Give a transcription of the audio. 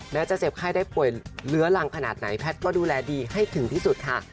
จะเจ็บไข้ได้ป่วยเลื้อรังขนาดไหนแพทย์ก็ดูแลดีให้ถึงที่สุดค่ะ